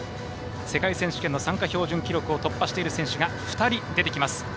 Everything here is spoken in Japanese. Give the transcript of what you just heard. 世界選手権の参加標準記録を突破している選手が２人出てきます。